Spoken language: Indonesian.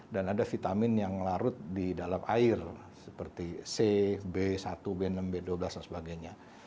dan ada vitamin yang larut di dalam air seperti c b satu b enam b dua belas dan sebagainya